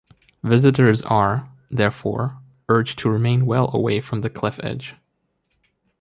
Visitors are, therefore, urged to remain well away from the cliff edge.